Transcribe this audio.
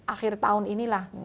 akhir tahun inilah